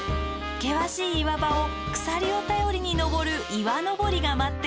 険しい岩場を鎖を頼りに登る岩登りが待っています。